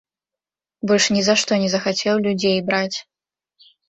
Больш нізашто не захацеў людзей браць.